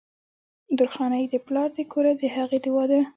درخانۍ د پلار د کوره د هغې د وادۀ